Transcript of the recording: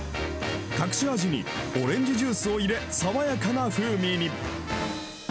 隠し味にオレンジジュースを入れ、爽やかな風味に。